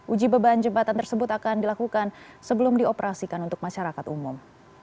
uji beban jembatan tersebut akan dilakukan sebelum dioperasikan untuk masyarakat umum